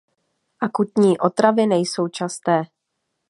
Akutní otravy nejsou časté.